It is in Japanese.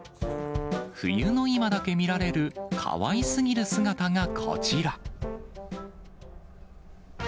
冬の今だけ見られるかわいすぎる姿が、こちら。